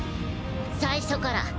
最初から。